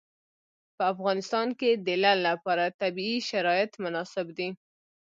په افغانستان کې د لعل لپاره طبیعي شرایط مناسب دي.